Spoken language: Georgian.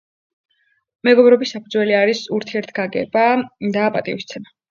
მეგობრობის საფუძველი არის ურთიერთგაგება და პატივისცემა